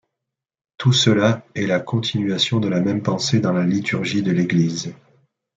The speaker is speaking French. Tout cela est la continuation de la même pensée dans la liturgie de l'Église.